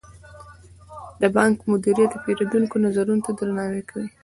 د بانک مدیریت د پیرودونکو نظرونو ته درناوی کوي.